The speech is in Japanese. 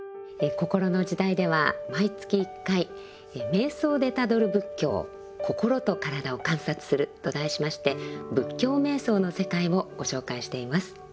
「こころの時代」では毎月１回「瞑想でたどる仏教心と身体を観察する」と題しまして仏教瞑想の世界をご紹介しています。